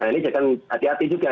nah ini jangan hati hati juga